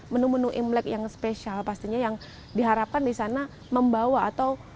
menu menu imlek yang spesial pastinya yang diharapkan disana membawa atau